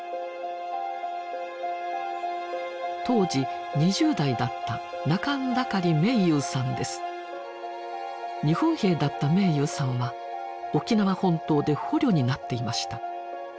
当時２０代だった日本兵だった明勇さんは沖縄本島で捕虜になっていました。